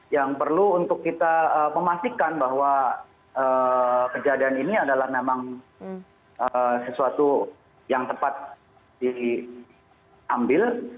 yang perlu untuk kita memastikan bahwa kejadian ini adalah memang sesuatu yang tepat diambil